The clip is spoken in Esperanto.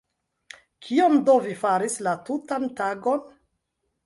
Kion do vi faris la tutan tagon?